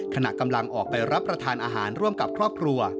ขณะกำลังออกไปรับประทานอาหารร่วมกับครอบครัว